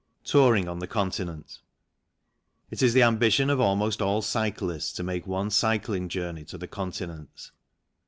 Touring on the Continent. It is the ambition of almost all cyclists to make one cycling journey to the Continent.